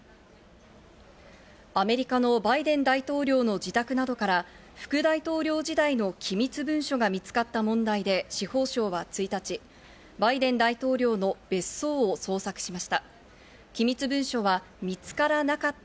アメリカのバイデン大統領の自宅などから副大統領時代の機密文書が見つかった問題で司法省は１日、バイデン大統領の別荘を捜索しました。